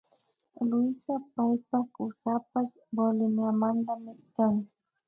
Luisa paypak kusapash Boliviamantami kan